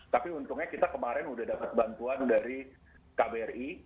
tapi untungnya kita kemarin sudah dapat bantuan dari kbri